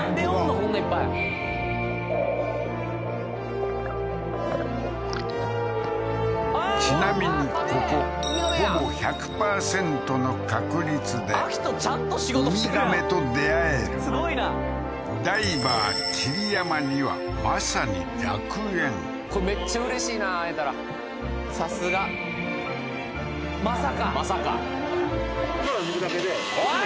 こんないっぱいちなみにここほぼ１００パーセントの確率でウミガメと出会えるダイバー桐山にはこれめっちゃうれしいな会えたらさすがまさかまさかおい！